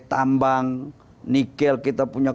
tambang nikel kita punya